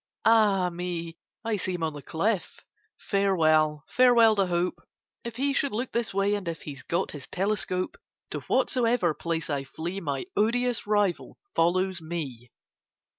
Ah me! I see him on the cliff! Farewell, farewell to hope, If he should look this way, and if He's got his telescope! To whatsoever place I flee, My odious rival follows me!